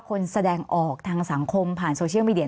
แสดงออกทางสังคมผ่านโซเชียลมีเดีย